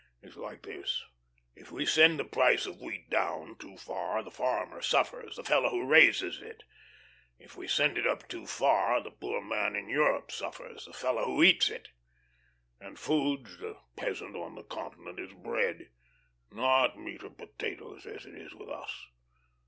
"It's like this: If we send the price of wheat down too far, the farmer suffers, the fellow who raises it if we send it up too far, the poor man in Europe suffers, the fellow who eats it. And food to the peasant on the continent is bread not meat or potatoes, as it is with us.